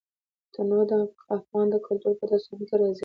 تنوع د افغان کلتور په داستانونو کې راځي.